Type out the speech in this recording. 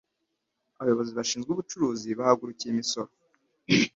Abayobozi bashinzwe ubucuruzi bahagurukiye imisoro